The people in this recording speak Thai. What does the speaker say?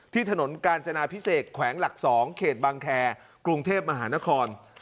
ถนนกาญจนาพิเศษแขวงหลัก๒เขตบางแคร์กรุงเทพมหานคร